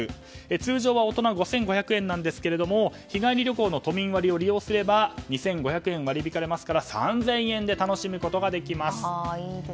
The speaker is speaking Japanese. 通常は大人５５００円なんですが日帰り旅行の都民割を利用すれば２５００円割り引かれますから３０００円で楽しむことができます。